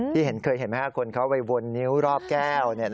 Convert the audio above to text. เคยเห็นไหมครับคนเขาไปวนนิ้วรอบแก้ว